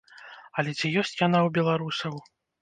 Але ці ёсць яна ў беларусаў?